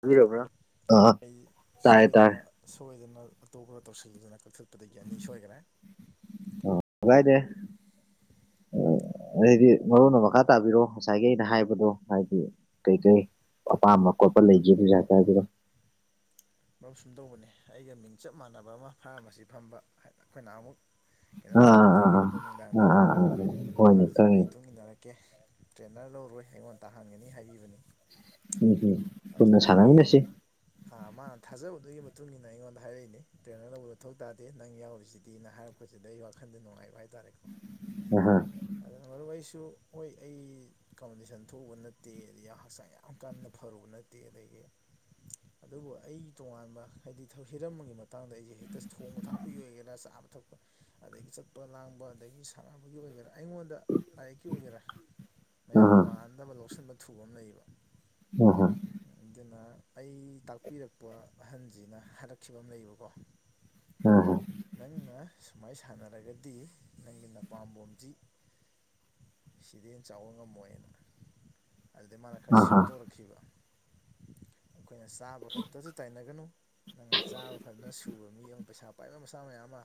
ꯇꯥꯕꯤꯔꯕ꯭ꯔꯥ hello ꯑꯥ ꯑꯩ ꯇꯥꯔꯦ ꯇꯥꯔꯦ ꯁꯣꯏꯗꯅ ꯁꯣꯏꯗꯅ ꯑꯇꯣꯞꯄꯗ ꯇꯧꯁꯤꯜꯂꯨꯗꯅ ꯀꯛꯊꯠꯄꯗꯒꯤ ꯑꯅꯤ ꯁꯣꯏꯈꯔꯦ ꯑ ꯀꯥꯏꯗꯦ ꯑꯩꯗꯤ ꯃꯔꯣꯟꯅ ꯃꯈꯥ ꯇꯥꯕꯤꯔꯣ ꯉꯁꯥꯏꯒꯤ ꯑꯩꯅ ꯍꯥꯏꯕꯗꯣ ꯍꯥꯏꯗꯤ ꯀꯩꯀꯩ ꯑꯄꯥꯝꯕ ꯈꯣꯠꯄ ꯂꯩꯖꯦꯕꯖꯥ ꯍꯥꯏꯇꯥꯗꯨꯗ ꯃꯔꯨꯞꯁꯨꯝ ꯇꯧꯕꯅꯤ ꯑꯩꯒ ꯃꯤꯡ ꯆꯞ ꯃꯥꯟꯅꯕ ꯑꯃ ꯐꯥꯔꯃꯥꯁꯤ ꯐꯝꯕ ꯑꯩꯈꯣꯏꯅ ꯑꯃꯨꯛ ꯀꯩꯅꯣꯝ ꯑꯥ ꯑꯥ ꯑꯥ ꯑꯥ ꯆꯥꯃꯤꯟꯅꯈꯤꯕꯗꯣ ꯑꯥ ꯅꯨꯡꯗꯥꯡꯗ ꯑꯥ ꯑꯥ ꯑꯥ ꯍꯣꯏꯅꯦ ꯃꯥꯁꯨ ꯋꯥꯔꯤ ꯈꯪꯉꯤꯅꯦ ꯇꯨꯡꯃꯤꯟꯅꯔꯛꯀꯦ ꯀꯦ ꯇ꯭ꯔꯦꯅꯔ ꯂꯧꯔꯣꯏ ꯑꯩꯉꯣꯟ ꯇꯥꯍꯟꯒꯅꯤ ꯍꯥꯏꯕꯤꯕꯅꯤ ꯎꯝ ꯎꯝ ꯑꯗꯨ ꯄꯨꯟꯅ ꯃꯥꯒꯤ ꯁꯥꯟꯅꯃꯤꯟꯅꯁꯤ ꯃꯥ ꯊꯥꯖꯕꯗꯨꯒꯤ ꯃꯇꯨꯡ ꯏ ꯃꯇꯨꯡꯏꯟꯅ ꯑꯩꯉꯣꯟꯗ ꯍꯥꯏꯔꯛꯏꯅꯦ ꯇ꯭ꯔꯦꯅꯔ ꯂꯧꯕ ꯃꯊꯧ ꯇꯥꯗꯦ ꯅꯪ ꯌꯥꯎꯔꯤꯁꯤꯗꯤꯅ ꯍꯥꯏꯔꯛꯄ ꯑꯩꯈꯣꯏꯁꯤꯗ ꯑꯩ ꯋꯥꯈꯟꯗ ꯅꯨꯡꯉꯥꯏꯕ ꯍꯥꯏꯇꯥꯔꯦ ꯎ ꯍ ꯑꯗꯨꯅ ꯃꯔꯨ ꯑꯩꯁꯨ ꯍꯣꯏ ꯑꯩ ꯀꯝꯄꯤꯇꯤꯁꯟ ꯊꯣꯛꯎꯕ ꯅꯠꯇꯦ ꯑꯗꯨꯩ ꯍꯛꯆꯥꯡ ꯌꯥꯝ ꯀꯟꯅ ꯐꯔꯨꯕ ꯅꯠꯇꯦ ꯗꯦ ꯑꯗꯒꯤ ꯑꯗꯨꯕꯨ ꯑꯩ ꯇꯣꯉꯥꯟꯕ ꯍꯥꯏꯗꯤ ꯍꯤꯔꯝ ꯑꯃꯒꯤꯒꯤ ꯃꯇꯥꯡꯗ ꯑꯩꯁꯦ ꯍꯦꯛꯇ ꯊꯣꯡꯕ ꯊꯥꯛꯄꯒꯤ ꯑꯣꯏꯒꯦꯔꯥ ꯆꯥꯕ ꯊꯛꯄ ꯑꯗꯒꯤ ꯆꯠꯄ ꯂꯥꯡꯕ ꯑꯗꯒꯤ ꯁꯥꯟꯅꯕꯒꯤ ꯑꯣꯏꯒꯦꯔꯥ ꯑꯩꯉꯣꯟꯗ ꯂꯥꯏꯔꯤꯛꯀꯤ ꯑꯣꯏꯒꯦꯔꯥ ꯑꯍꯥ ꯃꯌꯥꯝꯒ ꯃꯥꯟꯅꯗꯕ ꯂꯧꯁꯤꯟꯕ ꯊꯨꯕ ꯑꯃ ꯂꯩꯌꯦꯕ ꯑꯣ ꯍ ꯑꯗꯨꯅ ꯑꯩ ꯇꯥꯛꯄꯤꯔꯛꯄ ꯑꯍꯟꯁꯤꯅ ꯍꯥꯏꯔꯛꯈꯤꯕ ꯑꯃ ꯂꯩꯕꯀꯣ ꯑ ꯍꯣ ꯅꯪꯅ ꯁꯨꯃꯥꯏ ꯁꯥꯟꯅꯔꯒꯗꯤ ꯅꯪꯒꯤ ꯅꯄꯥꯝꯕꯣꯝꯁꯤ ꯁꯤꯗ ꯆꯥꯎꯕ ꯉꯝꯃꯣꯏꯅ ꯑꯗꯨꯗꯩ ꯃꯥꯅ ꯈꯔ ꯑꯍꯥ ꯁꯦꯝꯗꯣꯔꯛꯈꯤꯕ ꯑꯩꯈꯣꯏꯅ ꯆꯥꯕ ꯈꯛꯇꯁꯨ ꯇꯥꯏꯅꯒꯅꯨ ꯅꯪꯅ ꯆꯥꯕ ꯐꯖꯅ ꯁꯨꯕ ꯃꯤ ꯑꯃ ꯄꯩꯁꯥ ꯄꯥꯏꯕ ꯃꯁꯥ ꯃꯌꯥꯝ ꯑꯃ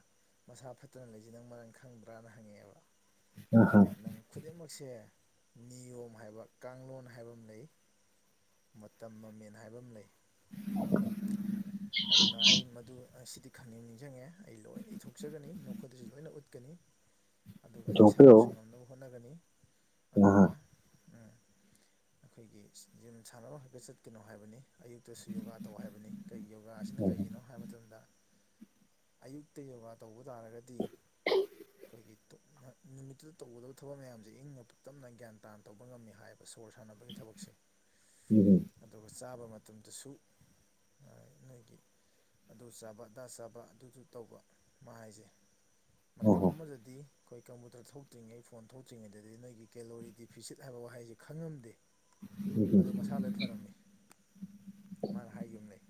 ꯃꯁꯥ ꯐꯠꯇꯅ ꯂꯩꯖꯤ ꯅꯪ ꯃꯔꯝ ꯈꯪꯗ꯭ꯔꯥꯅ ꯍꯪꯉꯛꯑꯦꯕ ꯑꯥ ꯍꯥ ꯅꯪ ꯈꯨꯗꯤꯡꯃꯛꯁꯦ ꯅꯤꯌꯣꯝ ꯍꯥꯏꯕ ꯀꯥꯡꯂꯣꯟ ꯍꯥꯏꯕ ꯑꯃ ꯂꯩ ꯃꯇꯝ ꯃꯃꯦꯟ ꯍꯥꯏꯕ ꯑꯃ ꯂꯩ [unintelligible] ꯑꯗꯨꯅ ꯑꯩ ꯃꯗꯨ ꯑ ꯁꯤꯗꯤ ꯈꯪꯅꯤꯡ ꯅꯤꯡꯖꯡꯉꯛꯑꯦ ꯑꯩ ꯂꯣꯏꯅ ꯏꯊꯣꯛꯆꯒꯅꯤ ꯅꯈꯣꯏꯗꯁꯨ ꯂꯣꯏꯅ ꯎꯠꯀꯅꯤ ꯑꯗꯨꯒ ꯑꯩ ꯄꯨꯊꯣꯛꯄꯤꯔꯛꯎ ꯏꯁꯥꯃꯛꯁꯨ ꯉꯝꯅꯕ ꯍꯣꯠꯅꯒꯅꯤ ꯑꯍꯥ ꯑꯗꯨꯒ ꯎꯝ ꯑꯩꯈꯣꯏꯒꯤ ꯖꯤꯝ ꯁꯥꯟꯅꯕ ꯈꯛꯇ ꯆꯠꯀꯅꯣ ꯍꯥꯏꯕꯅꯤ ꯑꯌꯨꯛꯇ ꯇꯧ ꯍꯥꯏꯕꯅꯤ ꯀꯩ ꯌꯣꯒꯥꯁꯤꯅ ꯑꯍꯥ ꯀꯩꯒꯤꯅꯣ ꯍꯥꯏꯕ ꯃꯇꯝꯗ ꯑꯌꯨꯛꯇ ꯌꯣꯒꯥ ꯇꯧꯕ ꯇꯥꯔꯒꯗꯤ ꯑꯩꯈꯣꯏꯒꯤ ꯇꯨ ꯅꯨꯃꯤꯠꯇꯨꯗ ꯇꯧꯒꯗꯕ ꯊꯕꯛ ꯃꯌꯥꯝꯁꯦ ꯏꯪꯅ ꯇꯞꯅ ꯒ꯭ꯌꯥꯟ ꯇꯥꯅ ꯇꯧꯕ ꯉꯝꯃꯤ ꯍꯥꯏꯕ ꯁꯣꯔ ꯁꯥꯟꯅꯕꯒꯤ ꯊꯕꯛꯁꯦ [unintelligible] ꯎꯝ ꯍꯨꯝ ꯑꯗꯨꯒ ꯆꯥꯕ ꯃꯇꯝꯗꯁꯨ ꯑ ꯅꯣꯏꯒꯤ ꯑꯗꯨ ꯆꯥꯕ ꯑꯗꯥ ꯆꯥꯕ ꯑꯗꯨꯁꯨ ꯇꯧꯕ ꯃꯥ ꯍꯥꯏꯁꯦ ꯃꯇꯝ ꯑꯍꯥ ꯑꯃꯗꯗꯤ ꯑꯩꯈꯣꯏ ꯀꯝꯄꯨꯇꯔ ꯊꯣꯛꯇ꯭ꯔꯤꯉꯩ ꯐꯣꯟ ꯊꯣꯛꯇ꯭ꯔꯤꯉꯩꯗꯗꯤ ꯅꯣꯏꯒꯤ ꯀꯦꯂꯣꯔꯤ ꯗꯤꯐꯤꯁꯤꯠ ꯍꯥꯏꯕ ꯋꯥꯍꯩꯁꯤ ꯈꯪꯉꯝꯗꯦ ꯎꯝ ꯑꯗꯨ ꯃꯁꯥ ꯂꯣꯏ ꯐꯔꯝꯃꯤ ꯃꯥꯅ ꯍꯥꯏꯒꯤꯝ ꯂꯩ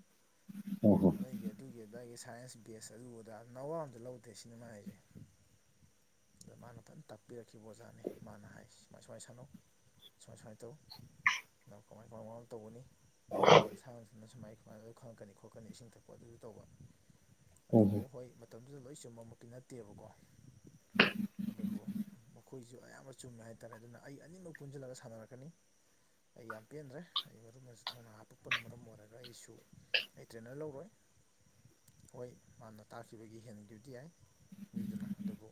ꯑꯍꯥ ꯅ ꯅꯣꯏꯒꯤ ꯑꯗꯨꯒꯤ ꯑꯗꯥꯒꯤ ꯁꯥꯏꯟꯁ ꯕꯦꯁ ꯑꯗꯨ ꯑꯗꯥ ꯅꯋꯥ ꯑꯃꯇ ꯂꯧꯗꯦ ꯁꯤꯅꯦ ꯃꯥ ꯍꯥꯏꯁꯦ ꯑꯗ ꯃꯥꯅ ꯐꯖꯅ ꯇꯥꯛꯄꯤꯔꯛꯈꯤꯕ ꯑꯣꯖꯥꯅꯤ ꯃꯥꯅ ꯍꯥꯏ ꯁꯨꯃꯥꯏ ꯁꯨꯃꯥꯏ ꯁꯥꯟꯅꯧ ꯁꯨꯃꯥꯏ ꯁꯨꯃꯥꯏꯅ ꯇꯧ ꯅꯪ ꯀꯃꯥꯏ ꯀꯃꯥꯏ ꯋꯥꯝ ꯑꯞ ꯇꯧꯒꯅꯤ ꯅꯪ ꯉ ꯑꯗꯨꯅ ꯁꯨꯃꯥꯏ ꯁꯨꯃꯥꯏꯅ ꯑꯗꯨ ꯈꯪꯉꯛꯀꯅꯤ ꯈꯣꯠꯀꯅꯤ ꯏꯁꯤꯡ ꯊꯛꯄ ꯑꯗꯨꯁꯨ ꯇꯧꯕ ꯑꯗꯨꯕꯨ ꯑꯍꯥ ꯍꯣꯏ ꯃꯇꯝꯗꯨꯗ ꯂꯣꯏ ꯆꯨꯝꯕꯃꯛꯇꯤ ꯅꯠꯇꯦꯕꯀꯣ ꯑꯗꯨꯕꯨ ꯃꯈꯣꯏꯁꯨ ꯑꯌꯥꯝꯕ ꯆꯨꯝꯃꯦ ꯍꯥꯏꯇꯥꯔꯦ ꯑꯗꯨꯅ ꯑꯩ ꯑꯅꯤꯃꯛ ꯄꯨꯟꯁꯤꯜꯂꯒ ꯁꯥꯟꯅꯔꯛꯀꯅꯤ ꯑꯩ ꯌꯥꯝ ꯄꯦꯟꯗ꯭ꯔꯦ ꯑꯩ ꯃꯔꯨꯞꯅꯖꯨ ꯊꯧꯅꯥ ꯍꯥꯞꯄꯨ ꯄꯅ ꯃꯔꯝ ꯑꯣꯏꯔꯒ ꯑꯩꯁꯨ ꯑꯩ ꯇ꯭ꯔꯦꯅꯔ ꯂꯧꯔꯣꯏ ꯍꯣꯏ ꯃꯥꯅ ꯇꯥꯈꯤꯕꯒꯤ ꯍꯦꯟꯒꯤꯕꯗꯤ ꯌꯥꯏ ꯃꯤꯗꯨꯅ ꯑꯗꯨꯕꯨ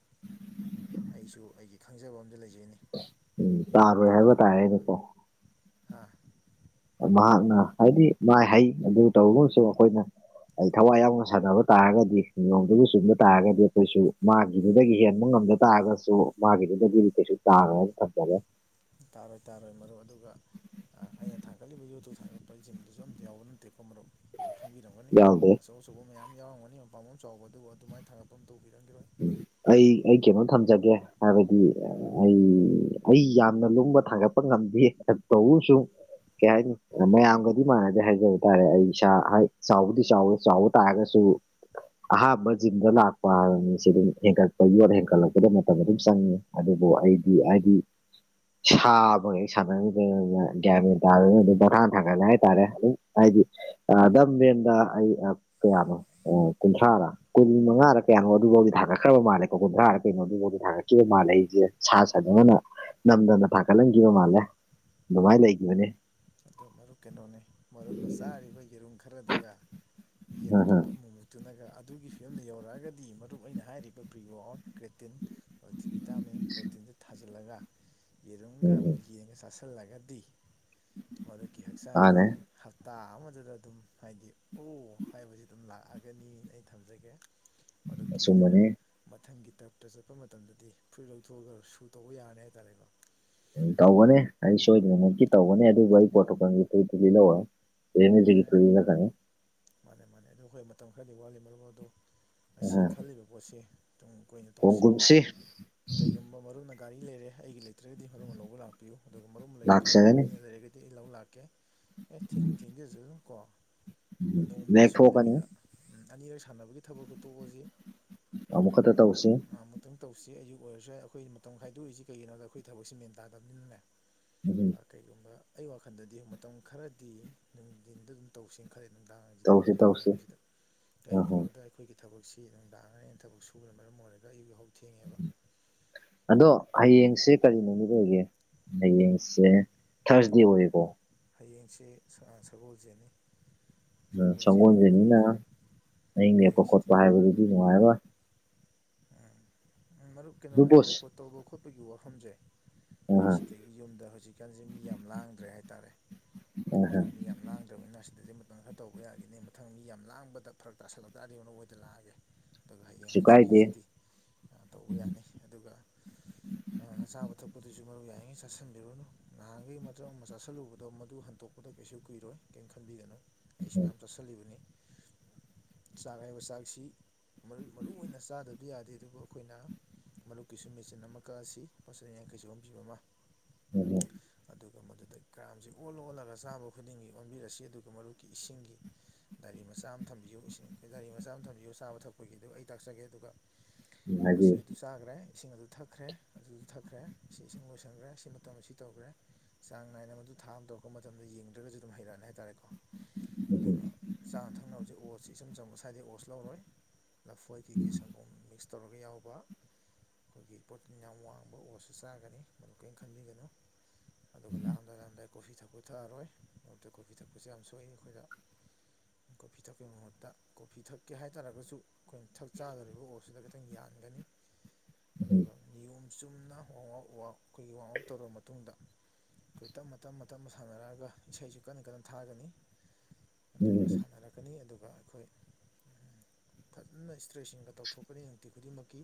ꯑꯩꯁꯨ ꯑꯩꯒꯤ ꯈꯪꯖꯕ ꯑꯝꯗ ꯂꯩꯖꯩꯅꯤ ꯎꯝ ꯇꯥꯔꯣꯏ ꯍꯥꯏꯕ ꯇꯥꯔꯦꯅꯦꯀꯣ ꯍꯥꯥ ꯃꯍꯥꯛꯅ ꯍꯥꯏꯕꯗꯤ ꯃꯥꯏ ꯍꯩ ꯑꯗꯨ ꯇꯧꯔꯒꯁꯨ ꯑꯩꯈꯣꯏꯅ ꯑꯩ ꯊꯋꯥꯏ ꯌꯥꯎꯅ ꯁꯥꯟꯅꯕ ꯇꯥꯔꯒꯗꯤ ꯅꯤꯌꯣꯝꯗꯨꯒ ꯆꯨꯝꯕ ꯇꯥꯔꯒꯗꯤ ꯑꯩꯈꯣꯏꯁꯨ ꯃꯥꯒꯤꯗꯨꯗꯒꯤ ꯍꯦꯟꯕ ꯉꯝꯗ ꯇꯥꯔꯒꯁꯨ ꯃꯥꯒꯤꯗꯨꯗꯗꯤ ꯀꯩꯁꯨ ꯇꯥꯔꯣꯏꯅ ꯊꯝꯖꯒꯦ ꯇꯥꯔꯣꯏ ꯇꯥꯔꯣꯏ ꯃꯔꯨꯞ ꯑꯗꯨꯒ ꯑꯥ ꯑꯩꯅ ꯊꯥꯒꯠꯂꯤꯕ ꯌꯨꯇꯨ ꯊꯥꯒꯠꯄ ꯖꯤꯝꯗꯨꯁꯨ ꯑꯝꯇ ꯌꯥꯎꯕ ꯅꯠꯇꯦꯀꯣ ꯃꯔꯨꯞ ꯈꯪꯕꯤꯔꯝꯒꯅꯤ ꯌꯥꯎꯗꯦ ꯑꯆꯧ ꯑꯆꯧꯕ ꯃꯌꯥꯝ ꯌꯥꯎꯔꯝꯒꯅꯤ ꯃꯄꯥꯝꯕꯣꯝ ꯆꯥꯎꯕ ꯑꯗꯨꯕꯨ ꯑꯗꯨꯃꯥꯏꯅ ꯊꯥꯒꯠꯄ ꯑꯃꯇ ꯎꯕꯤꯔꯝꯈꯤꯔꯣꯏ ꯑꯩ ꯑꯩ ꯀꯩꯅꯣ ꯊꯝꯖꯒꯦ ꯍꯥꯏꯕꯗꯤ ꯑꯩ ꯑꯩ ꯌꯥꯝꯅ ꯂꯨꯝꯕ ꯊꯥꯡꯒꯠꯄ ꯉꯝꯗꯦ ꯑ ꯇꯧꯕꯑꯃꯁꯨꯝ ꯀꯩ ꯍꯥꯏꯅꯤ ꯃꯌꯥꯝꯒ ꯑꯗꯨ ꯃꯥꯟꯅꯗꯦ ꯍꯥꯏꯖꯕ ꯇꯥꯔꯦ ꯑꯩ ꯏꯁꯥ ꯆꯥꯎꯕꯨꯗꯤ ꯆꯥꯎꯋꯦ ꯆꯥꯎꯕ ꯇꯥꯔꯒꯁꯨ ꯑꯍꯥꯥꯟꯕ ꯖꯤꯝꯗ ꯂꯥꯛꯄ ꯍꯥꯏꯗꯤ ꯁꯤ ꯑꯗꯨꯝ ꯍꯦꯟꯒꯠꯄ ꯌꯣꯠ ꯍꯦꯟꯒꯠꯂꯛꯄꯗ ꯃꯇꯝ ꯑꯗꯨꯝ ꯆꯪꯉꯤ ꯑꯗꯨꯕꯨ ꯑꯩꯗꯤ ꯍꯥꯏꯗꯤ ꯁꯥ ꯑꯃꯒ ꯍꯦꯛ ꯁꯥꯟꯅꯔꯨꯗꯅ ꯒ꯭ꯌꯥ ꯒ꯭ꯌꯥꯟ ꯃꯦꯟ ꯇꯥꯗꯗꯅ ꯑꯗꯨꯝ ꯄꯪꯊꯥꯡ ꯊꯥꯡꯒꯠꯂꯦ ꯍꯥꯏꯇꯥꯔꯦ ꯑꯗꯨꯝ ꯍꯥꯏꯗꯤ ꯑꯥ ꯗꯝꯕꯦꯟꯗ ꯑꯩ ꯑꯞ ꯀꯌꯥꯅꯣ ꯑꯣ ꯀꯨꯟꯊ꯭ꯔꯥꯔꯥ ꯀꯣꯟ ꯃꯉꯥꯔꯥ ꯀꯌꯥꯅꯣ ꯑꯗꯨꯕꯥꯎꯗꯤ ꯊꯥꯒꯠꯈ꯭ꯔꯕ ꯃꯥꯜꯂꯦꯀꯣ ꯀꯨꯟꯊ꯭ꯔꯥꯔ ꯀꯩꯅꯣꯐꯥꯎꯗ ꯊꯥꯒꯠꯈꯤꯕ ꯃꯥꯜꯂꯦ ꯑꯩꯁꯦ ꯁꯥ ꯁꯟꯗꯧꯅ ꯅꯝꯗꯅ ꯊꯥꯒꯠꯍꯟꯈꯤꯕ ꯃꯥꯜꯂꯦ ꯑꯗꯨꯃꯥꯏꯅ ꯂꯩꯈꯤꯕꯅꯤ ꯑꯗꯨ ꯃꯔꯨꯞ ꯀꯩꯅꯣꯅꯤ ꯃꯔꯨꯝꯅ ꯆꯥꯔꯤꯕ ꯌꯦꯔꯨꯝ ꯈꯔꯗꯨꯒ ꯌꯦꯟ ꯎꯝ ꯎꯝ ꯑꯄꯨꯠꯄ ꯑꯃꯨꯛ ꯃꯨꯛ ꯑꯗꯨꯨꯅꯒ ꯑꯗꯨꯒꯤ ꯐꯤꯕꯝꯗꯨ ꯌꯧꯔꯛꯑꯒꯗꯤ ꯃꯔꯨꯞ ꯑꯩꯅ ꯍꯥꯏꯔꯤꯕ ꯄ꯭ꯔꯤꯋꯥꯛ ꯑꯥꯎꯠ ꯀ꯭ꯔꯦꯇꯤꯟ ꯑꯜꯇꯤꯚꯤꯇꯥꯃꯤꯟ ꯄ꯭ꯔꯣꯇꯤꯟꯗꯨꯦ ꯊꯥꯖꯤꯜꯂꯒ ꯌꯦꯔꯨꯝꯒ ꯎꯝ ꯎꯝ ꯑꯃꯨꯛ ꯌꯦꯡꯉ ꯆꯥꯁꯤꯜꯂꯒꯗꯤ ꯃꯗꯨꯀꯤ ꯍꯛꯆꯥꯡ ꯃꯥꯅꯦ ꯑꯁꯤ ꯍꯞꯇꯥ ꯑꯃꯗꯨꯗ ꯑꯗꯨꯝ ꯍꯥꯏꯗꯤ ꯑꯣ ꯍꯥꯏꯕꯁꯤ ꯑꯗꯨꯝ ꯂꯥꯛꯑꯒꯅꯤꯅ ꯑꯩ ꯊꯝꯖꯒꯦ ꯑꯗꯨ ꯀ ꯑꯗꯨꯒ ꯑꯆꯨꯝꯕꯅꯦ ꯃꯊꯪꯒꯤ ꯇꯔꯞꯇ ꯆꯠꯄ ꯃꯇꯝꯗꯗꯤ ꯐꯨꯔꯤꯠ ꯂꯧꯊꯣꯛꯑꯒ ꯁꯨ ꯇꯧꯕ ꯌꯥꯔꯅꯤ ꯍꯥꯏꯇꯥꯔꯦꯀꯣ ꯎꯝ ꯇꯧꯕꯅꯦ ꯑꯩ ꯁꯣꯏꯗꯅꯅꯀꯤ ꯇꯧꯕꯅꯦ ꯑꯗꯨꯕꯨ ꯑꯩ ꯄꯣꯇꯣꯀꯗꯤꯍꯔ ꯑꯦꯅꯦꯁꯤꯒꯤ ꯊꯣꯛ ꯑꯦ ꯏꯅ ꯀꯅꯤ ꯃꯥꯅꯦ ꯃꯥꯅꯦ ꯑꯗꯨ ꯑꯩꯈꯣꯏ ꯃꯇꯝ ꯈꯔꯗꯤ ꯋꯥꯠꯂꯤ ꯃꯔꯝ ꯑꯗ ꯉꯁꯤ ꯈꯜꯂꯤꯕ ꯄꯣꯠꯁꯤ ꯇꯨꯡ ꯀꯣꯏꯅ ꯇꯧꯁꯤ ꯈꯣꯡꯒꯨꯞꯁꯤ ꯀꯩꯒꯨꯝꯕ ꯃꯔꯨꯞꯅ ꯒꯥꯔꯤ ꯂꯩꯔꯦ ꯑꯩꯒꯤ ꯂꯩꯇ꯭ꯔꯒꯗꯤ ꯃꯔꯨꯅ ꯂꯧꯕ ꯂꯥꯛꯄ ꯄꯤꯌꯨ ꯑꯗꯨꯒ ꯃꯔꯨꯝ ꯂꯩꯇ꯭ꯔꯦ ꯂꯥꯛꯆꯒꯅꯤ ꯑꯩꯅ ꯂꯩꯔꯒꯩꯗꯤ ꯑꯩ ꯂꯧ ꯂꯥꯛꯀꯦ ꯑꯦ ꯊꯤꯡ ꯊꯦꯡꯖꯁꯨ ꯑꯗꯨꯝ ꯀꯣ ꯅꯣꯡꯃꯒꯤ ꯂꯦꯛꯊꯣꯛꯀꯅꯤ ꯁꯣꯏꯗꯕꯤꯗ ꯑꯅꯤꯔꯛ ꯁꯥꯟꯅꯕꯒꯤ ꯊꯕꯛꯛꯇꯨ ꯇꯣꯛꯑꯁꯤ ꯑꯃꯨꯛꯈꯛꯇ ꯇꯧꯁꯤ ꯈꯤꯇꯪ ꯇꯧꯁꯤ ꯑꯌꯛ ꯑꯣꯏꯔꯁꯨ ꯑꯩꯈꯣꯏ ꯃꯇꯝ ꯈꯥꯏꯗꯣꯛꯏꯁꯤ ꯀꯩꯒꯤꯅꯣꯗ ꯑꯩꯈꯣꯏ ꯊꯕꯛꯁꯤꯦ ꯃꯦꯟ ꯇꯥꯗꯕꯅꯤꯅꯅꯦ ꯎꯝ ꯀꯩꯒꯨꯝꯕ ꯑꯩ ꯋꯥꯈꯜꯗꯗꯤ ꯃꯇꯝ ꯈꯔꯗꯤ ꯅꯨꯡꯊꯤꯟꯗ ꯑꯗꯨꯝ ꯇꯧꯁꯤ ꯈꯔꯦ ꯅꯨꯡꯗꯥꯡꯁꯤꯗ ꯇꯧꯁꯤ ꯅꯨꯡꯗꯥꯡ ꯇꯧꯁꯤ ꯋꯥꯏꯔꯝꯁꯤꯗ ꯍꯣꯏ ꯍꯣꯏ ꯀꯩꯒꯤꯅꯣꯗ ꯑꯩꯈꯣꯏꯒꯤ ꯊꯕꯛꯁꯤ ꯑꯗꯨꯝ ꯂꯥꯡꯉꯅꯤꯅ ꯊꯕꯛ ꯁꯨꯕꯅ ꯃꯔꯝ ꯑꯣꯏꯔꯒ ꯑꯌꯨꯛ ꯍꯧꯛ ꯊꯦꯡꯉꯦꯕ ꯑꯗꯣ ꯍꯌꯦꯡꯁꯦ ꯀꯔꯤ ꯅꯨꯃꯤꯠ ꯑꯣꯏꯒꯦ ꯍꯌꯦꯡꯁꯦ ꯊꯥꯔꯁꯗꯦ ꯑꯣꯏꯌꯦꯀꯣ ꯍꯌꯦꯡꯁꯦ ꯁꯒꯣꯜꯁꯦꯟꯅꯤ ꯁꯒꯣꯜꯁꯦꯟ ꯁꯪꯒꯣꯜꯁꯦꯟꯅꯤꯅ ꯑꯣꯏꯕꯅꯤꯅ ꯑꯍꯤꯡ ꯂꯦꯛꯞꯄ ꯈꯣꯠꯄ ꯍꯌꯦꯡꯁꯤꯗꯤ ꯍꯥꯏꯕꯗꯨꯗꯤ ꯅꯨꯡꯉꯥꯏꯔꯣꯏ ꯎꯝ ꯃꯔꯨꯞ ꯑꯗꯨ ꯀꯩꯅꯣꯅꯤ ꯕꯣꯁ ꯔꯦꯀꯣꯔꯠ ꯇꯧꯕ ꯈꯣꯠꯄꯒꯤ ꯋꯥꯐꯝꯁꯦ ꯑꯩ ꯑꯥ ꯁꯤꯗꯒꯤ ꯌꯨꯝꯗ ꯍꯧꯖꯤꯛꯀꯥꯟꯁꯦ ꯃꯤ ꯌꯥꯝ ꯂꯥꯡꯗ꯭ꯔꯦ ꯍꯥꯏꯇꯥꯔꯦ ꯑꯥ ꯑꯗꯨꯅ ꯃꯤ ꯌꯥꯝ ꯂꯥꯡꯗ꯭ꯔꯕꯅꯤꯅ ꯁꯤꯗꯗꯤ ꯃꯇꯝ ꯈꯔ ꯇꯧꯕ ꯌꯥꯈꯤꯅꯤ ꯃꯊꯪ ꯃꯤ ꯌꯥꯝ ꯂꯥꯡꯕꯗ ꯐꯔꯛ ꯇꯥꯁꯜꯂꯛꯇꯥꯗꯤꯅꯣ ꯑꯣꯏꯣꯏꯗ ꯂꯥꯛꯑꯒꯦ ꯑꯗꯨꯒ ꯍꯌꯦꯡ ꯀꯩꯁꯨ ꯀꯥꯏꯗꯦ ꯍꯪꯆꯤꯀꯤꯁꯤꯗꯤ ꯇꯧꯕ ꯌꯥꯅꯤ ꯑꯗꯨꯒ ꯆꯥꯕ ꯊꯛꯄꯗꯨꯁꯨ ꯃꯔꯨ ꯌꯥꯏꯔꯤꯉꯩ ꯆꯥꯁꯤꯟꯕꯤꯔꯨꯅꯨ ꯅꯍꯥꯟꯈꯩ ꯃꯇꯝꯛ ꯑꯃ ꯆꯥꯁꯤꯜꯂꯨꯕꯗꯣ ꯃꯗꯨ ꯍꯟꯇꯣꯛ ꯈꯨꯗ ꯀꯩꯁꯨ ꯀꯨꯏꯔꯣꯏ ꯀꯩꯝ ꯈꯟꯕꯤꯒꯅꯨ ꯑꯩꯁꯨ ꯎꯝ ꯃꯌꯥꯝ ꯆꯥꯁꯤꯜꯂꯤꯕꯅꯤ ꯆꯥꯛ ꯍꯥꯏꯕ ꯆꯥꯛꯁꯤ ꯃꯔꯨ ꯑꯣꯏꯅ ꯆꯥꯗꯕꯗꯤ ꯌꯥꯗꯦ ꯑꯗꯨꯕꯨ ꯑꯩꯈꯣꯏꯅ ꯃꯔꯨꯞꯛꯀꯤꯁꯨ ꯃꯦꯆꯤꯟ ꯑꯃ ꯀꯛꯑꯁꯤ ꯃꯆꯤꯟ ꯌꯥꯡꯈꯩꯁꯨ ꯑꯣꯝꯕꯤꯕ ꯑꯃ ꯎ [inaudible] ꯑꯗꯨꯒ ꯃꯗꯨꯗ ꯀ꯭ꯔꯥꯝꯁꯤ ꯑꯣꯜꯂ ꯑꯣꯜꯂꯒ ꯆꯥꯕ ꯈꯨꯗꯤꯡꯒꯤ ꯑꯣꯟꯕꯤꯔꯁꯤ ꯑꯗꯨꯒ ꯃꯔꯨꯞꯀꯤ ꯏꯁꯤꯡꯒꯤ ꯗꯥꯏꯔꯤ ꯃꯆꯥ ꯑꯃ ꯊꯝꯕꯤꯌꯨ ꯏꯁꯤꯡ ꯑꯩꯈꯣꯏ ꯗꯥꯔꯤ ꯃꯆꯥ ꯑꯃ ꯊꯝꯕꯤꯌꯨ ꯆꯥꯕ ꯊꯛꯄꯒꯤꯗ ꯑꯩ ꯇꯥꯛꯆꯒꯦ ꯑꯗꯨꯒ ꯎꯝ ꯃꯁꯤ ꯍꯥꯏꯕꯤꯌꯨ ꯑꯗꯨ ꯆꯥꯈ꯭ꯔꯦ ꯏꯁꯤꯡ ꯑꯗꯨ ꯊꯛꯈ꯭ꯔꯦ ꯑꯗꯨꯗ ꯊꯛꯈ꯭ꯔꯦ ꯁꯤ ꯏꯁꯤꯡ ꯂꯣꯏꯁꯟꯈ꯭ꯔꯦ ꯁꯤ ꯃꯇꯝ ꯑꯁꯤ ꯇꯧꯈ꯭ꯔꯦ ꯆꯥꯡ ꯅꯥꯏꯅ ꯃꯗꯨ ꯊꯥ ꯑꯃ ꯇꯧꯔꯛꯄ ꯃꯇꯝꯗ ꯌꯦꯡꯗ꯭ꯔꯒꯁꯨ ꯑꯗꯨꯝ ꯍꯩꯔꯛꯑꯅꯤ ꯍꯥꯏꯇꯥꯔꯦꯀꯣ ꯎꯝ ꯎꯝ ꯑꯗꯨꯒ ꯆꯥꯅ ꯊꯛꯅꯕꯁꯦ ꯑꯣꯁꯁꯤ ꯏꯆꯝ ꯆ ꯁ꯭ꯋꯥꯏꯗꯒꯤ ꯑꯣꯁ ꯂꯧꯔꯣꯏ ꯂꯐꯣꯏ ꯀꯤ ꯁꯪꯒꯣꯝ ꯃꯤꯛꯁ ꯇꯧꯔꯒ ꯌꯥꯎꯕ ꯑꯩꯈꯣꯏꯒꯤ ꯄ꯭ꯔꯣꯇꯤꯟ ꯌꯥꯝ ꯋꯥꯡꯕ ꯑꯣꯔꯁꯨ ꯆꯥꯒꯅꯤ ꯃꯗꯨ ꯀꯔꯤꯝ ꯈꯟꯕꯤꯒꯅꯨ ꯑꯗꯨꯒ ꯂꯥꯛꯑꯝꯗꯥꯏ ꯂꯥꯛꯝꯗꯥꯏ ꯀꯣꯐꯤ ꯊꯛꯄ ꯊꯛꯑꯔꯣꯏ ꯑꯇ ꯀꯣꯐꯤ ꯊꯛꯄꯁꯦ ꯌꯥꯝ ꯁꯣꯛꯏ ꯑꯩꯈꯣꯏꯗ ꯀꯣꯐꯤ ꯊꯛꯄꯒꯤ ꯃꯍꯨꯠꯇ ꯀꯣꯐꯤ ꯊꯛꯀꯦ ꯍꯥꯏꯇꯥꯔꯒꯁꯨ ꯑꯩꯈꯣꯏ ꯊꯛ ꯆꯥꯗꯧꯔꯤꯕ ꯑꯣꯠꯁꯤꯗ ꯈꯤꯇꯪ ꯌꯥꯟꯒꯅꯤ ꯎꯝ ꯎꯝ ꯑꯗꯨꯒ ꯅꯤꯌꯣꯝ ꯆꯨꯝꯅ ꯋꯥ ꯑꯥꯎꯠ ꯑꯩꯈꯣꯏꯒꯤ ꯋꯥꯡ ꯑꯥꯎꯠ ꯇꯧꯔꯕ ꯃꯇꯨꯡꯗ ꯑꯩꯈꯣꯏ ꯇꯞꯅ ꯇꯞꯅ ꯇꯞꯅ ꯁꯥꯟꯅꯔꯛꯑꯒ ꯏꯁꯩꯁꯨ ꯀꯟꯅ ꯀꯟꯅ ꯊꯥꯒꯅꯤ ꯑꯗꯨꯒ ꯎꯝ ꯁꯥꯟꯅꯔꯛꯀꯅꯤ ꯑꯗꯨꯒ ꯑꯩꯈꯣꯏ ꯐꯖꯅ ꯇ꯭ꯔꯦꯁꯤꯡꯒ ꯇꯧꯊꯣꯛꯀꯅꯤ ꯅꯨꯡꯇꯤ ꯈꯨꯗꯤꯡꯃꯛꯀꯤ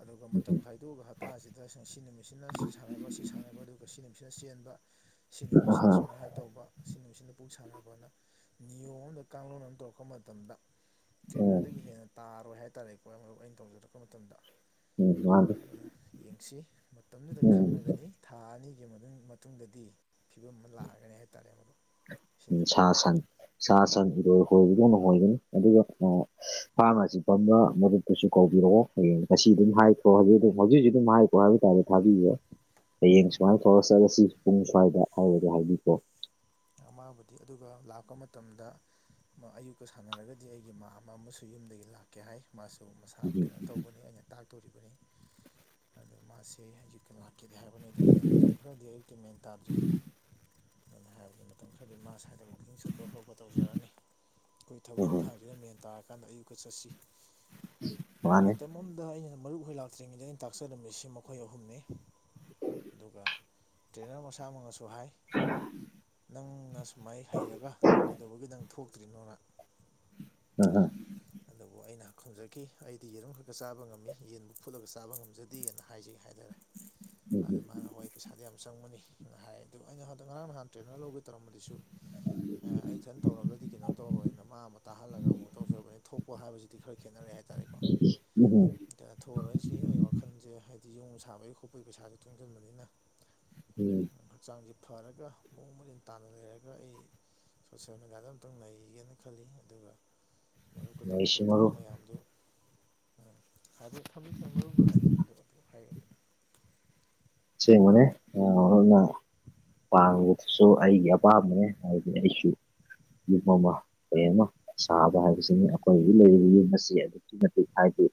ꯑꯗꯨꯒ ꯃꯇꯝ ꯎꯝ ꯑꯗꯨꯒ ꯍꯞꯇꯥꯁꯤꯗ ꯁꯤ ꯅꯨꯃꯤꯠꯁꯤꯅ ꯁꯤ ꯁꯥꯟꯅꯕ ꯁꯤ ꯁꯥꯟꯅꯕ ꯑꯗꯨꯒ ꯁꯤ ꯅꯨꯃꯤꯠꯁꯤꯅ ꯆꯦꯟꯕ ꯁꯤꯅꯦꯃꯤꯁꯤꯅ ꯑꯍꯥ ꯁꯨꯥꯏ ꯍꯥꯏꯦ ꯇꯧꯕ ꯁꯤ ꯅꯨꯡꯁꯤꯅ ꯄꯨꯛ ꯁꯥꯟꯅꯔꯄꯅ ꯅꯤꯌꯣꯝ ꯑꯃꯝꯗ ꯀꯥꯡꯂꯣꯟ ꯑꯃ ꯇꯧꯔꯛꯄ ꯃꯇꯝꯗ ꯎꯝ ꯇꯦꯅꯔꯗꯒꯤ ꯍꯦꯟꯅ ꯇꯥꯔꯣꯏ ꯍꯥꯏꯇꯥꯔꯦꯀꯣ ꯃꯔꯨꯞ ꯑꯩꯅ ꯇꯧꯖꯔꯛꯄ ꯃꯇꯝꯗ ꯎꯝ ꯃꯥꯗꯤ ꯑꯗꯨꯅ ꯌꯦꯡꯁꯤ ꯃꯇꯝꯗꯨꯗ ꯈꯪꯉꯒꯅꯤ ꯊꯥ ꯑꯅꯤꯒꯤ ꯃꯇꯨꯡꯗꯗꯤ ꯐꯤꯕꯝ ꯑꯃ ꯂꯥꯛꯑꯒꯅꯤ ꯍꯥꯏꯇꯥꯔꯦ ꯃꯗꯨ ꯎ ꯁꯤꯅꯤ ꯁꯥ ꯁꯟ ꯁꯥ ꯁꯟ ꯏꯔꯣꯏ ꯍꯣꯏꯕꯗꯧꯅꯉꯣꯏꯒꯅꯤ ꯑꯗꯨꯒ ꯐꯔꯝꯃꯥꯁꯤ ꯐꯝꯕ ꯃꯔꯨꯞ ꯀꯁꯨ ꯀꯧꯕꯤꯔꯛꯑꯣ ꯍꯌꯦꯡ ꯉꯁꯤ ꯑꯗꯨꯝ ꯍꯥꯏꯈ꯭ꯔꯣ ꯍꯧꯖꯤ ꯑꯗꯨꯝ ꯍꯧꯖꯤꯛ ꯍꯧꯖꯤꯛ ꯑꯗꯨꯝ ꯍꯥꯏꯈ꯭ꯔꯣ ꯍꯥꯏꯕ ꯇꯥꯔꯦ ꯊꯥꯕꯤꯦ ꯍꯌꯦꯡ ꯁꯨꯃꯥꯏꯅ ꯐꯧꯔ ꯆꯠꯂꯒ ꯁꯤ ꯄꯨꯡ ꯁ꯭ꯋꯥꯏꯗ ꯍꯥꯏꯔꯒ ꯍꯥꯏꯕꯤꯀꯣ ꯑꯃꯕꯨꯗꯤ ꯑꯗꯨꯒ ꯂꯥꯛꯄ ꯃꯇꯝꯗ ꯑꯌꯨꯛꯇꯀ ꯁꯥꯟꯅꯔꯒꯗꯤ ꯑꯩꯒꯤ ꯃꯥ ꯑꯃ ꯑꯃꯁꯨ ꯌꯨꯝꯗꯒꯤ ꯂꯥꯛꯀꯦ ꯍꯥꯏ ꯃꯥꯁꯨ ꯃꯁꯥ ꯎꯝ ꯀꯩꯅꯣ ꯇꯧꯕꯅꯤ ꯑꯩꯅ ꯇꯥꯛꯇꯣꯔꯤꯕꯅꯤ ꯑꯗꯨꯗ ꯃꯥꯁꯦ ꯑꯌꯨꯛꯀꯤ ꯂꯥꯛꯈꯤꯗꯦ ꯍꯥꯏꯕꯅꯤ ꯑꯗꯨꯝ ꯑꯩꯅ ꯃꯇꯝ ꯈꯔꯗꯤ ꯑꯌꯨꯛꯇꯤ ꯃꯦꯟ ꯇꯥꯗ꯭ꯔꯤ ꯑꯗꯨꯅ ꯍꯥꯏꯕꯗꯤ ꯃꯇꯝ ꯈꯔꯗꯤ ꯃꯥ ꯁ꯭ꯋꯥꯏꯗ ꯃꯀꯤꯡ ꯁꯨꯄ ꯈ꯭ꯔꯣꯕ ꯇꯧꯖꯔꯅꯤ ꯑꯩꯈꯣꯏ ꯍꯣꯏ ꯊꯕꯛ ꯍꯣꯏ ꯏꯪꯈꯥꯡꯁꯤꯗ ꯃꯦꯟ ꯇꯥꯔꯀꯥꯟꯗ ꯑꯌꯨꯛꯛꯇ ꯆꯠꯁꯤ ꯃꯥꯅꯦ ꯃꯇꯝ ꯑꯃꯗ ꯑꯩꯅ ꯃꯔꯨꯞ ꯍ ꯂꯥꯛꯄ ꯇ꯭ꯔꯤꯗ ꯑꯩꯅ ꯇꯥꯛꯆꯔꯝꯃꯤꯁꯤ ꯃꯈꯣꯏ ꯑꯍꯨꯝꯅꯤ ꯑꯗꯨꯒ ꯇ꯭ꯔꯦꯅꯔ ꯃꯁꯥꯃꯛꯅꯁꯨ ꯍꯥꯏ ꯅꯪꯅ ꯁꯨꯃꯥꯏ ꯍꯩꯔꯒ ꯀꯩꯗꯧꯕꯒꯤ ꯅꯪ ꯊꯣꯛꯇ꯭ꯔꯤꯅꯣꯅ ꯎꯝ ꯍꯝ ꯑꯗꯨꯕꯨ ꯑꯩꯅ ꯈꯪꯖꯈꯤ ꯑꯩꯗꯤ ꯌꯦꯔꯨꯝ ꯈꯛꯇ ꯆꯥꯕ ꯉꯝꯃꯤ ꯌꯦꯟꯕꯨ ꯐꯨꯠꯂꯒ ꯆꯥꯕ ꯉꯝꯖꯗ ꯗꯦꯅ ꯍꯥꯏꯖꯩ ꯍꯥꯏꯅꯔꯦ ꯑꯗ ꯎꯝ ꯃꯥꯅ ꯍꯋꯥꯏ ꯄꯩꯁꯥꯗꯤ ꯌꯥꯝ ꯆꯪꯕꯅꯤꯅ ꯍꯥꯏꯌꯦ ꯑꯗꯨ ꯑꯩꯅ ꯍ ꯉꯔꯥꯡ ꯅꯍꯥꯟꯇ꯭ꯔꯦ ꯅ ꯂꯧꯕ ꯇꯧꯔꯝꯝꯕꯗꯁꯨ ꯑꯦ ꯑꯩ ꯁꯟ ꯇꯧꯔꯒꯗꯤ ꯀꯩꯅꯣ ꯇꯧꯔꯣꯏꯅ ꯃꯥ ꯑꯃ ꯇꯥꯍꯜꯂꯒ ꯑꯃꯨꯛ ꯇꯧꯖꯕꯅꯤ ꯊꯣꯛ ꯀꯣ ꯍꯥꯏꯕꯁꯤꯗꯤ ꯈꯔ ꯈꯦꯠꯅꯔꯦ ꯍꯥꯏꯇꯥꯔꯦꯀꯣ ꯎꯝꯍꯨꯝ ꯊꯔꯣꯏꯏꯁꯤ ꯑꯩ ꯋꯥꯈꯜꯁꯦ ꯍꯥꯏꯗꯤ ꯌꯣꯡ ꯁꯥꯕꯒꯤ ꯈꯣꯠꯄꯒꯤ ꯄꯩꯁꯥꯁꯨ ꯇꯨꯡꯁꯤꯟꯕꯅꯤꯅ ꯎꯝ ꯍꯛꯆꯥꯡꯁꯦ ꯐꯔꯒ ꯃꯑꯣꯡ ꯃꯔꯤꯟ ꯇꯥꯅ ꯂꯩꯔꯒ ꯑꯩ ꯁꯣꯁꯦꯜ ꯃꯦꯗꯤꯌꯥꯗ ꯑꯃꯨꯛꯇꯪ ꯂꯩꯒꯦꯅ ꯈꯜꯂꯤ ꯑꯗꯨꯒ ꯃꯗꯨꯀ ꯅꯣꯏꯁꯤ ꯇꯧꯒꯗꯕ ꯊꯕꯛ ꯃꯔꯨꯞ ꯃꯌꯥꯝꯗꯨ ꯎꯝ ꯍꯥꯏꯕꯗꯤ ꯊꯝꯕꯤ ꯊꯝꯃꯨꯅ ꯍꯥꯏꯅꯤꯡꯉꯤꯗꯕ ꯍꯥꯏꯔꯅꯤꯅ ꯁꯤꯦ ꯃꯅꯦꯅ ꯄꯥꯡꯕꯗꯁꯨ ꯑꯩꯒꯤ ꯑꯄꯥꯝꯕꯅꯦ ꯍꯥꯏꯕꯗꯤ ꯑꯩꯁꯨ ꯌꯨꯝ ꯑꯃ ꯀꯔꯤ ꯑꯃ ꯁꯥꯕ ꯍꯥꯏꯕꯁꯤꯅꯤ ꯑꯩꯈꯣꯏꯒꯤ ꯂꯩꯔꯤꯕ ꯌꯨꯝ ꯑꯁꯤ ꯑꯗꯨꯛꯀꯤ ꯃꯇꯤꯛ ꯍꯥꯏꯗꯤ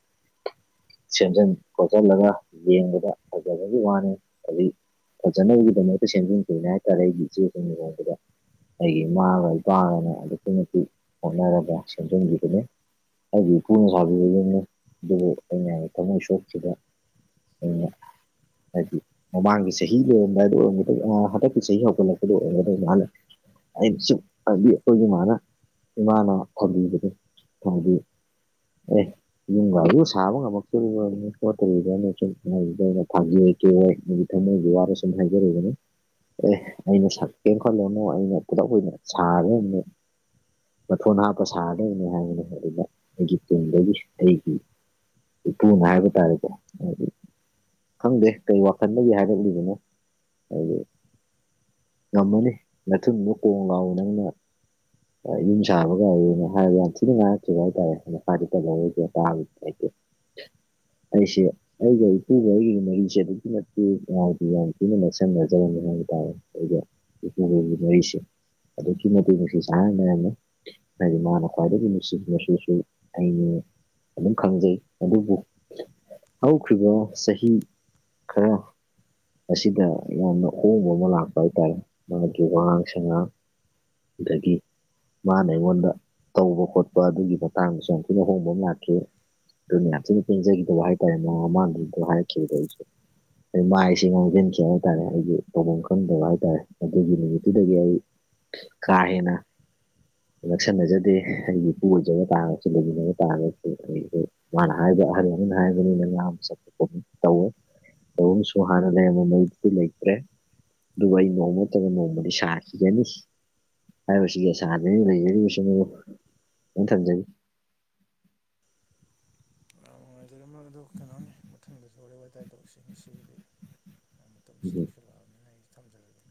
ꯁꯦꯝꯖꯤꯟ ꯈꯣꯠꯆꯜꯂꯒ ꯌꯦꯡꯕꯗ ꯐꯖꯕꯒꯤ ꯋꯥꯅꯤ ꯍꯥꯏꯩ ꯐꯖꯅꯕꯒꯤꯗꯃꯛꯇ ꯁꯦꯝꯖꯤꯟꯗꯣꯏꯅꯦ ꯍꯥꯏꯇꯥꯔꯦ ꯑꯩꯒꯤ ꯏꯆꯦꯈ ꯣꯟꯁꯤꯗ ꯑꯩꯒꯤ ꯏꯃꯥꯒ ꯏꯄꯥꯒꯅ ꯑꯗꯨꯛꯀꯤ ꯃꯇꯤꯛ ꯍꯣꯠꯅꯔꯒ ꯁꯦꯝꯖꯤꯟꯈꯤꯕꯅꯤ ꯑꯩꯒꯤ ꯏꯄꯨꯅ ꯐꯥꯕꯤꯕ ꯌꯦꯅꯤ ꯑꯗꯨꯕꯨ ꯑꯩꯅ ꯊꯃꯣꯏ ꯁꯣꯛꯈꯤꯕꯗ ꯎ ꯍꯥꯏꯗꯤ ꯃꯃꯥꯡꯒꯤ ꯆꯍꯤ ꯂꯣꯏꯔꯝꯗꯥꯏꯗ ꯑꯣꯏꯔꯒꯗ ꯍꯟꯗꯛꯀꯤ ꯆꯍꯤ ꯍꯧꯒꯠꯂꯛꯄꯗ ꯑꯣꯏꯔꯝꯒꯗꯣꯏ ꯃꯥꯅ ꯑꯩꯁꯨ ꯑꯣꯏꯒꯤ ꯃꯥꯅ ꯏꯃꯥꯅ ꯈꯪꯕꯤꯕꯗꯨ ꯈꯪꯕꯤꯌꯨ ꯑꯦ ꯌꯨꯝꯒ ꯑꯗꯨ ꯁꯥꯕ ꯉꯝꯃꯛꯛꯇꯔꯨꯔꯅꯤ ꯈꯣꯠꯇꯗꯅꯤ ꯁꯨꯝꯗ ꯊꯥꯒ ꯀ ꯑꯩꯒꯤ ꯊꯃꯣꯏꯒꯤ ꯋꯥꯕ ꯁꯨꯝ ꯍꯥꯏꯖꯔꯨꯕꯅꯤ ꯑꯦ ꯑꯩꯅ ꯁꯛꯀꯦꯅ ꯈꯜꯠꯂꯨꯅꯨ ꯑꯩꯅ ꯈꯨꯗ ꯑꯣꯏꯅ ꯁꯥꯒꯅꯦ ꯃꯊꯣꯟ ꯍꯥꯞꯄ ꯁꯥꯒꯗꯣꯏꯅꯤ ꯍꯥꯏꯒꯅꯤ ꯑꯗꯨꯗ ꯑꯩꯒꯤ ꯇꯨꯡꯗꯒꯤ ꯑꯩꯒꯤ ꯏꯄꯨꯅ ꯍꯥꯏꯕ ꯇꯥꯔꯦꯀꯣ ꯍꯥꯏꯗꯤ ꯈꯪꯗꯦ ꯀꯩ ꯋꯥꯈꯟꯗꯒꯤ ꯍꯥꯏꯔꯛꯂꯤꯗꯨꯅ ꯍꯥꯏꯗꯤ ꯉꯝꯃꯅꯤ ꯃꯊꯤꯟꯗ ꯀꯣꯡ ꯉꯥꯎ ꯅꯪꯅ ꯌꯨꯝ ꯆꯥꯕꯒꯔꯤꯅꯦ ꯍꯥꯏꯔꯒ ꯌꯥꯝ ꯊꯤꯅ ꯉꯥꯏꯔꯛꯈꯤꯕ ꯍꯥꯏꯇꯥꯔꯦꯄꯥꯗꯤ ꯀꯜꯍꯔꯣꯏꯁꯦ ꯇꯕꯗꯤ ꯂꯩꯇꯦ [inaudible] ꯑꯩꯁꯦ ꯑꯩꯒ ꯏꯄꯨꯒ ꯑꯩꯒꯤ ꯃꯔꯤꯁꯦ ꯑꯗꯨꯛꯀꯤ ꯃꯇꯛ ꯎꯗꯤ ꯌꯥꯝ ꯊꯤꯅ ꯅꯛꯁꯤꯟꯅꯖꯔꯝꯅꯤ ꯍꯥꯏꯕ ꯇꯥꯔꯦ ꯑꯩꯈꯣꯏꯒꯤ ꯏꯄꯨꯒꯤ ꯃꯔꯤꯁꯦ ꯑꯗꯨꯀꯤ ꯃꯇꯠꯇꯁꯤ ꯁꯥꯡ ꯍꯥꯏꯗꯤ ꯃꯥꯅ ꯈ꯭ꯋꯥꯏꯗꯒꯤ ꯅꯨꯡꯁꯤꯁꯨꯁꯨ ꯑꯩꯅ ꯑꯗꯨꯝ ꯈꯪꯖꯩ ꯑꯗꯨꯕꯨ ꯍꯧꯈ꯭ꯈꯤꯕ ꯆꯍꯤ ꯈꯔꯣ ꯑꯁꯤꯗ ꯌꯥꯝꯅ ꯑꯍꯣꯡꯕ ꯑꯃ ꯂꯥꯛꯄ ꯍꯥꯏꯇꯥꯔꯦ ꯃꯥꯒꯤ ꯋꯥꯉꯥꯡ ꯁꯉꯥꯡ ꯑꯗꯒꯤ ꯃꯥꯅ ꯑꯩꯉꯣꯟꯗ ꯇꯧꯕ ꯈꯣꯠꯄ ꯑꯗꯨꯒꯤ ꯃꯇꯥꯡꯗꯁꯨ ꯑꯃꯨ ꯊꯤꯅ ꯍꯣꯡꯕ ꯑꯃ ꯂꯥꯛꯈꯤ ꯑꯗꯨꯅꯤꯌꯥꯝꯁꯨ ꯄꯦꯟꯖꯈꯤꯗꯧꯕ ꯍꯥꯏꯇꯥꯔꯦ ꯃꯃꯥꯡꯒꯤꯗꯣ ꯍꯥꯏꯈꯤꯈꯤꯕꯗꯧꯔꯤꯁꯨ ꯑꯩ ꯃꯥꯏꯁꯤ ꯃꯥꯡꯁꯤꯟꯈꯤꯕ ꯍꯥꯏꯇꯥꯔꯦ ꯑꯩꯒꯤ ꯇꯧꯐꯝ ꯈꯪꯗꯕ ꯍꯥꯏꯇꯥꯔꯦ ꯑꯗꯨꯒꯤ ꯅꯨꯃꯤꯠꯇꯨꯗꯒꯤ ꯑꯩ ꯀꯥꯏꯅ ꯅꯛꯁꯟꯅꯖꯗꯦ ꯑꯩꯒꯤ ꯏꯄꯨ ꯑꯣꯏꯖꯕ ꯇꯥꯔꯒꯁꯨ ꯂꯩꯃꯤꯟꯅꯕ ꯇꯥꯔꯒꯁꯨ ꯑꯩꯁ ꯃꯥꯅ ꯍꯥꯏꯕ ꯑꯍꯜ ꯑꯃꯅ ꯍꯥꯏꯕꯅꯤꯅ ꯆꯄꯣꯠ ꯇꯧꯋꯦ ꯇꯧꯟꯁꯨ ꯍꯥꯏꯥꯟꯅ ꯂꯩꯅ ꯃꯩꯇꯔꯤ ꯂꯩꯇ꯭ꯔꯦ ꯑꯗꯨꯒ ꯑꯩ ꯅꯣꯡꯃ ꯅꯠꯇ꯭ꯔꯒ ꯅꯣꯡꯃꯗꯤ ꯁꯥꯈꯤꯒꯅꯤ ꯍꯥꯏꯕꯁꯤꯒꯤ ꯑꯁꯖꯩ ꯂꯩꯖꯔꯤꯕꯁꯤ ꯑ ꯊꯝꯖꯒꯦ ꯌꯥꯝ ꯅꯨꯡꯉꯥꯏꯖꯔ ꯃꯔ ꯑꯗꯣ ꯀꯩꯅꯣꯅꯤ ꯃꯊꯪꯗꯁꯨ ꯋꯥꯔꯤ ꯋꯥꯇꯥꯏ ꯇꯧꯁꯤ ꯉꯁꯤꯒꯤꯗꯤ ꯃꯇꯝꯁꯤ ꯌꯧꯁꯤꯜꯂꯛꯑꯕꯅꯤꯅ ꯑꯩ ꯊꯝꯖꯔꯒꯦ